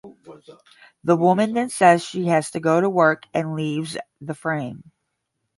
The woman then says she has to go to work and leaves the frame.